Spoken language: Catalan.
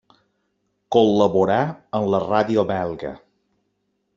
Col·laborà amb la Ràdio belga.